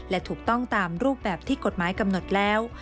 และถูกต้องตามรูปแบบที่กฎหมายกำหนดแล้ว